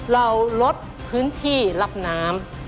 เราลดพื้นที่รับน้ำ